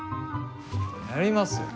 やりますよ。